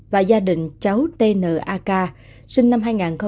và gia đình cháu t n a k sinh năm hai nghìn một mươi sáu